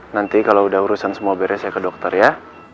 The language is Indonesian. nanti kalau udah urusan semua beres ya ke dokter ya